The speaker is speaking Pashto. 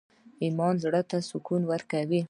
ایمان زړه ته سکون ورکوي